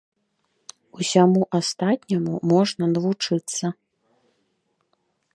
Усяму астатняму можна навучыцца.